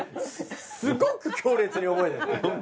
すごく強烈に覚えてる。